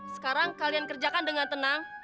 sekarang kalian kerjakan dengan tenang